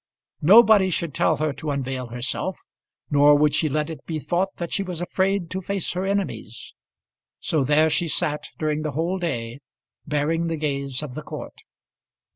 Nobody should tell her to unveil herself, nor would she let it be thought that she was afraid to face her enemies. So there she sat during the whole day, bearing the gaze of the court.